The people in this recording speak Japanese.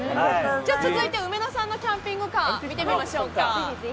続いて、うめのさんのキャンピングカーを見てみましょうか。